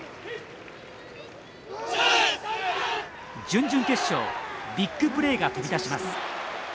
準々決勝ビッグプレーが飛び出します。